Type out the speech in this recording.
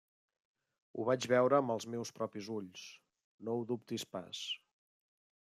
Ho vaig veure amb els meus propis ulls. No ho dubtis pas.